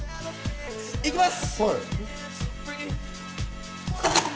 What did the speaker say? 行きます！